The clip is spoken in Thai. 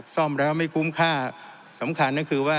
ซ่อมแล้วไม่คุ้มค่าสำคัญก็คือว่า